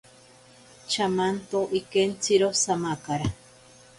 Chamanto ikentziro samakara.